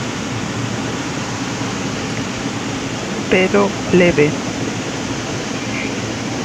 Pero leve.